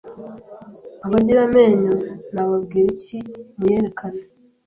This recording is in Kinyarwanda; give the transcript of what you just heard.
abagiramenyo nababwira iki muyerekane